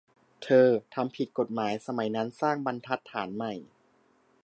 เธอ "ทำผิดกฎหมาย" สมัยนั้น -สร้างบรรทัดฐานใหม่